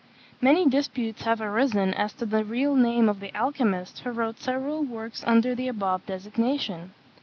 Many disputes have arisen as to the real name of the alchymist who wrote several works under the above designation.